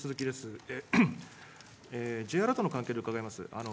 Ｊアラートの関係で伺います。